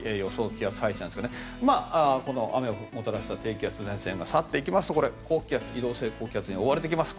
気圧配置なんですが雨をもたらした低気圧前線が去っていきますとこれ、移動性高気圧に覆われていきます。